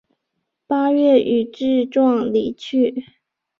八月予致仕离去。